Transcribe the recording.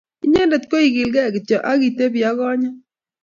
Inyendet ko ikilgei kityo akitebi ak konyit